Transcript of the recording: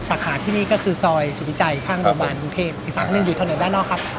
สาขาที่นี่ก็คือซอยสุภิใจข้างบริบาลบูริเทพฯ